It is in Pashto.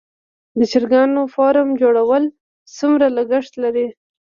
د چرګانو فارم جوړول څومره لګښت لري؟